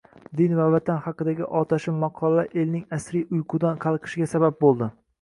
din va vatan haqidagi otashin maqolalar elning asriy uyqudan qalqishiga sabab bo'ldi.